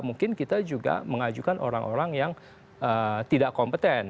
mungkin kita juga mengajukan orang orang yang tidak kompeten